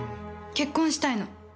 結婚したいの。